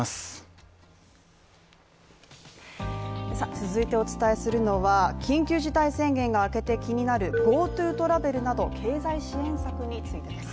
続いてお伝えするのは、緊急事態宣言が明けて気になるＧｏＴｏトラベルなど経済支援策についてです。